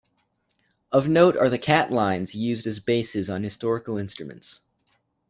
Of note are the "catlines" used as basses on historical instruments.